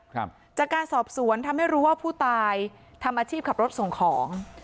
ครับจากการสอบสวนทำให้รู้ว่าผู้ตายทำอาชีพขับรถส่งของ